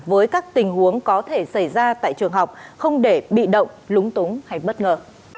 với các tình huống có thể xảy ra tại trường học không để bị động lúng túng hay bất ngờ